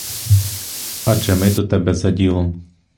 Адже ми до тебе за ділом.